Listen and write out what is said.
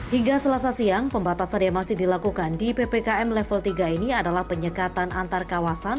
hingga selasa siang pembatasan yang masih dilakukan di ppkm level tiga ini adalah penyekatan antar kawasan